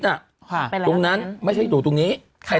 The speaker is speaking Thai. ตรงนั้นไม่ใช่อยู่ตรงนี้ใคร